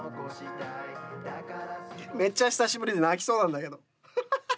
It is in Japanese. めっちゃ久しぶりで泣きそうなんだけど。